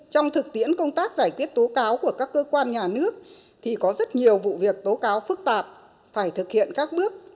trong thực tiễn công tác giải quyết tố cáo của các cơ quan nhà nước thì có rất nhiều vụ việc tố cáo phức tạp phải thực hiện các bước